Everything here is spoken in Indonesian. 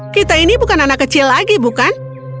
kita ini bukan anak kecil lagi bukan